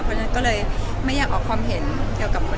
เพราะฉะนั้นก็เลยไม่อยากออกความเห็นเกี่ยวกับคน